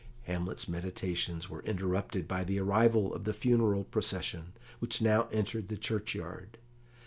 Hamlet's meditations were interrupted by the arrival of the funeral procession, which now entered the churchyard.